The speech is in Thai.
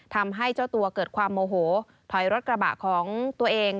ทำให้เจ้าตัวเกิดความโมโหถอยรถกระบะของตัวเอง